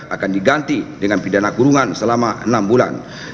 akan diganti dengan pidana kurungan selama enam bulan